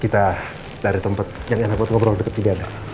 kita cari tempat yang enak buat ngobrol deket dekat